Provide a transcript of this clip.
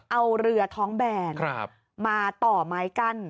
เอาเรือท้องแบนมาต่อไม้กั้น